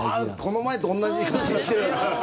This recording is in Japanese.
この前と同じこと言ってる。